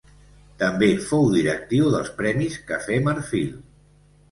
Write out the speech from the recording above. També fou directiu dels Premis Café Marfil.